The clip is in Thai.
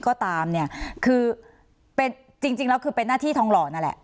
ก็ตามเนี่ยคือเป็นจริงแล้วคือเป็นหน้าที่ทองหล่อนั่นแหละ